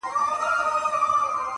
د خلکو په ذهن کي ژوندی وي.